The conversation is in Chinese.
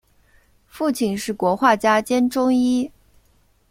父亲是国画家兼中医。